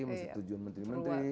masih tujuan menteri menteri